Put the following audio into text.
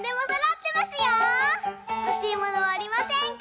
ほしいものはありませんか？